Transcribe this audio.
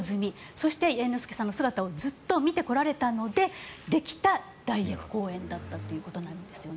そして、猿之助さんの姿をずっと見てこられたのでできた代役公演だったということなんですね。